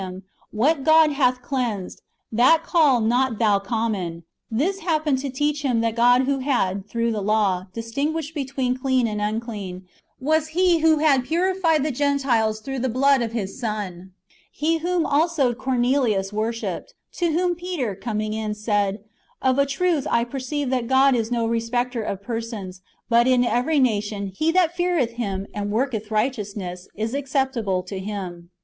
liim, ''What God hath cleansed, that call not thou common,"^ this happened [to teach him] that the God who had, through the law, distlngLiished between clean and unclean, was He who had purified the Gentiles through the blood of His Son — He whom also Cornelius worshipped ; to whom Peter, coming in, said, " Of a truth I perceive that God is no re specter of persons : but in every nation, he that feareth Him, and worketh righteousness, is acceptable to Him."